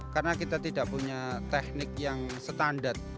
karena kita tidak punya teknik yang standar